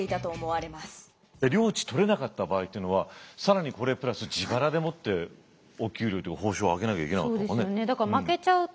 領地取れなかった場合というのは更にこれプラス自腹でもってお給料というか報酬をあげなきゃいけなかったのかね。